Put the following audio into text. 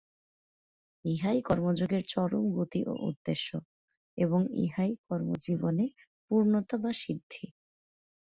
ইহাই কর্মযোগের চরম গতি ও উদ্দেশ্য, এবং ইহাই কর্মজীবনে পূর্ণতা বা সিদ্ধি।